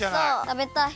たべたい。